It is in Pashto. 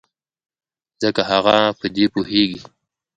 ځکه هغه په دې پوهېږي.